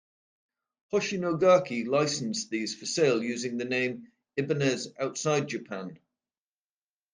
Hoshino Gakki licensed these for sale using the name Ibanez outside Japan.